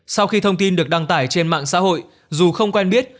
sau khi thông tin được đăng tải trên mạng xã hội dù không quen biết